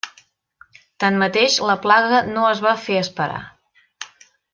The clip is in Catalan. Tanmateix, la plaga no es va fer esperar.